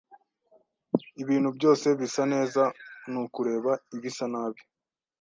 Ibintu byose bisa neza nukureba ibisa nabi